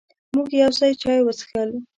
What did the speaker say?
مونږ یو ځای چای وڅښل.